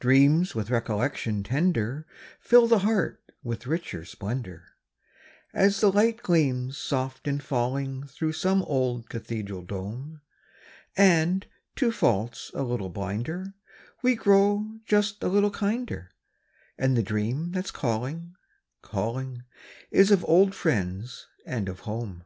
D REAMS \9ith recollection tender Fill the Heart Ntfith richer ' splendor, As the light gleams soft in jullinq Through some ola cathedral dome ; And, to faults a little blinder, ADe gt'oxtf just a little hinder, And the dream that's call inq, calling , old friends and o home.